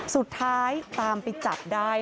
สุดท้ายตามไปจับได้